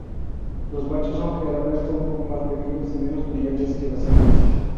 Los machos son generalmente un poco más pequeños y menos brillantes que las hembras.